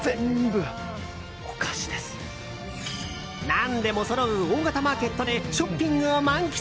何でもそろう大型マーケットでショッピングを満喫。